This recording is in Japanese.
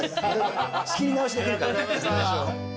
仕切り直しで来るから。